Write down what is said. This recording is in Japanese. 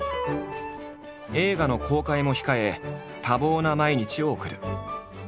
映画の公開も控え多忙な毎日を送る。